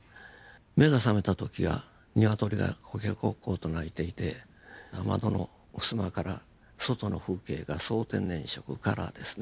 目が覚めた時はニワトリがコケコッコーと鳴いていて窓のふすまから外の風景が総天然色カラーですね